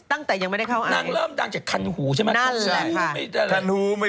ตั้งแต่ยังไม่ได้เข้าอาร์เอส